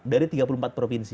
dari tiga puluh empat provinsi